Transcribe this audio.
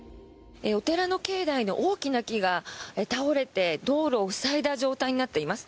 お寺の境内の大きな木が倒れて道路を塞いだ状態になっています。